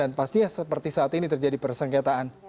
pastinya seperti saat ini terjadi persengketaan